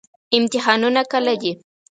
امتحانونه کله دي؟